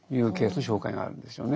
の紹介があるんですよね。